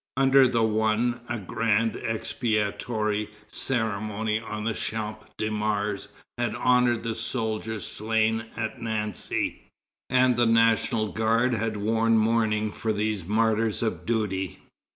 Under the one, a grand expiatory ceremony on the Champ de Mars had honored the soldiers slain at Nancy, and the National Guards had worn mourning for these martyrs of duty.